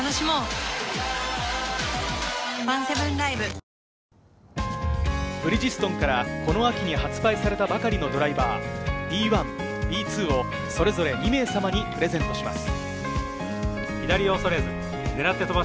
片岡も２パットでパーをブリヂストンからこの秋に発売されたばかりのドライバー、「Ｂ１／Ｂ２」をそれぞれ２名様にプレゼントします。